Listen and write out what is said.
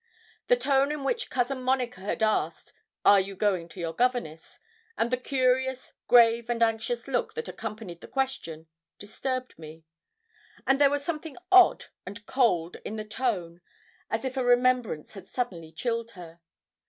The tone in which Cousin Monica had asked, 'are you going to your governess?' and the curious, grave, and anxious look that accompanied the question, disturbed me; and there was something odd and cold in the tone as if a remembrance had suddenly chilled her.